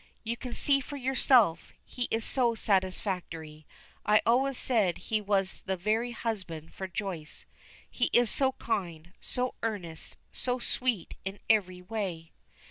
"You can see for yourself. He is so satisfactory. I always said he was the very husband for Joyce. He is so kind, so earnest, so sweet in every way."